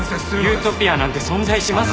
ユートピアなんて存在しません。